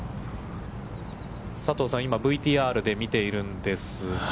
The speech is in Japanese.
佐藤さん、今、ＶＴＲで見ているんですが。